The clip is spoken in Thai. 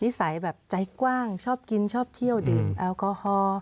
สัยแบบใจกว้างชอบกินชอบเที่ยวดื่มแอลกอฮอล์